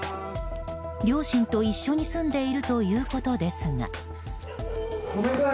両親と一緒に住んでいるということですが。